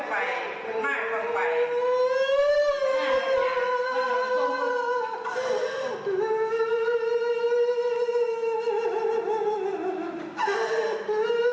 จากหมอปลาเจีย